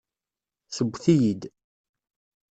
Sewwet-iyi-d.